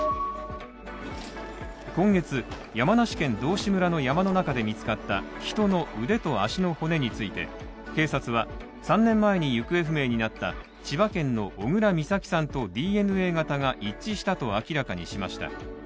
今月、山梨県道志村の山の中で見つかった人の腕と脚の骨について、警察は、３年前に行方不明になった千葉県の小倉美咲さんとＤＮＡ型が一致したと明らかにしました。